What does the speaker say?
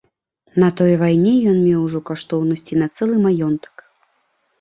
На той вайне ён меў ужо каштоўнасцей на цэлы маёнтак.